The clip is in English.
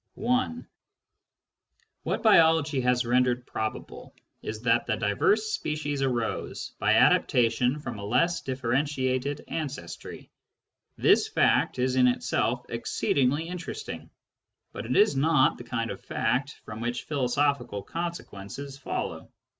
(i) What biology has rendered probable is that the diverse species arose by adaptation from a less differenti ated ancestry. This fact is in itself exceedingly interest ing, but it is not the kind of fact from which philosophical consequences follow.